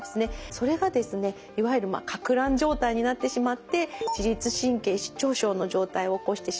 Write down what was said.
それがですねいわゆるかく乱状態になってしまって自律神経失調症の状態を起こしてしまう。